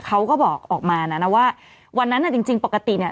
เขาก็บอกออกมานะนะว่าวันนั้นอ่ะจริงจริงปกติเนี่ย